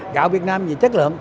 gạo việt nam về chất lượng